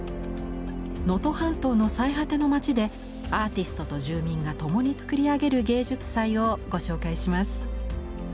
能登半島の最果ての町でアーティストと住民が共につくり上げる芸術祭をご紹介します。